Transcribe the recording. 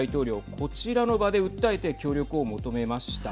こちらの場で訴えて協力を求めました。